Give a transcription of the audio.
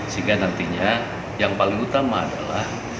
sehingga nantinya yang paling utama adalah